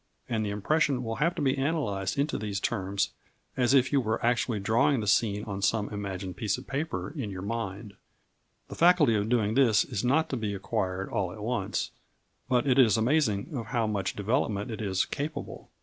And the impression will have to be analysed into these terms as if you were actually drawing the scene on some imagined piece of paper in your mind. The faculty of doing this is not to be acquired all at once, but it is amazing of how much development it is capable.